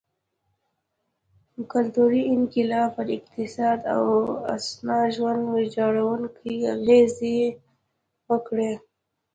کلتوري انقلاب پر اقتصاد او انسا ژوند ویجاړوونکې اغېزې وکړې.